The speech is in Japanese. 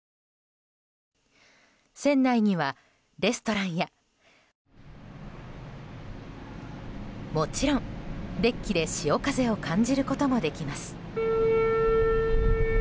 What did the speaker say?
船内にはレストランやもちろんデッキで潮風を感じることもできます。